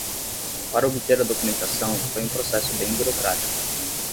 Para obter a documentação, foi um processo bem burocrático